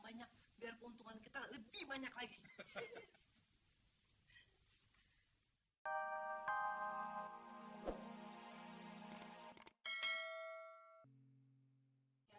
banyak biar keuntungan kita lebih banyak lagi hahaha hai hai hai hai hai hai